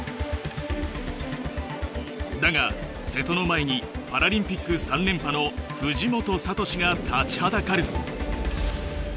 だが瀬戸の前にパラリンピック３連覇の藤本聰が立ちはだかる。